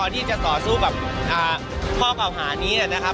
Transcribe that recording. ที่จะต่อสู้กับข้อเก่าหานี้นะครับ